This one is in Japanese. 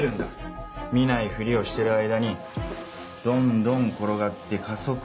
見ないふりをしてる間にどんどん転がって加速度的に大きくなる。